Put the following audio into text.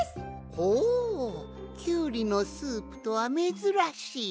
ほうキュウリのスープとはめずらしい。